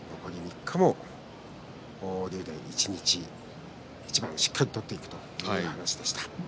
残り３日も一日に一番しっかり取っていくという話でした。